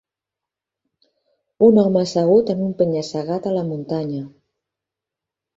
Un home assegut en un penya-segat a la muntanya.